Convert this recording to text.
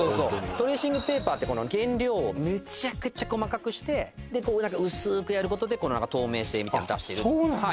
トレーシングペーパーって原料をめちゃくちゃ細かくしてでこう何か薄くやることでこの透明性みたいなの出してるあっそうなんだは